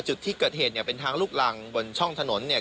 จุดที่เกิดเหตุเนี่ยเป็นทางลูกรังบนช่องถนนเนี่ย